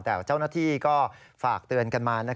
แต่เจ้าหน้าที่ก็ฝากเตือนกันมา